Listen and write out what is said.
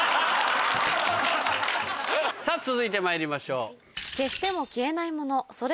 続いてまいりましょう。